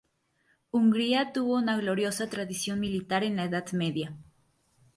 Hungría tuvo una gloriosa tradición militar en la Edad Media.